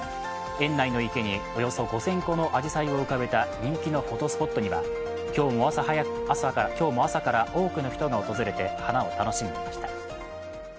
園内の池におよそ５０００個のあじさいを浮かべた人気のフォトスポットには今日も朝から多くの人が訪れて花を楽しんでいました。